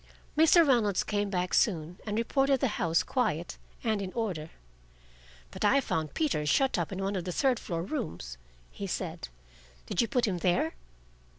Mr. Reynolds came back soon, and reported the house quiet and in order. "But I found Peter shut up in one of the third floor rooms," he said. "Did you put him there?"